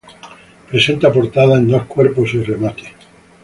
Presenta portada de dos cuerpos y remate.